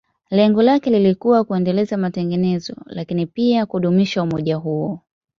Lengo lake lilikuwa kuendeleza matengenezo, lakini pia kudumisha umoja huo.